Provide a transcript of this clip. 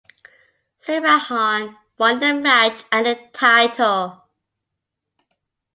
Sepahan won the match and the title.